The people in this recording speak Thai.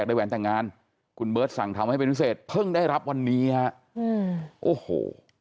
คุณเบิร์ตสั่งทำให้เป็นพิเศษเพิ่งได้รับวันนี้อ่ะโอ้โห